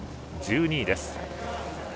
１２位です。